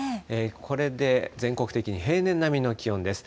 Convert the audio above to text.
これで全国的に平年並みの気温です。